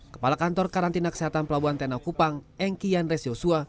kepala kantor karantina kesehatan pelabuhan tenau kupang engky yanres yosua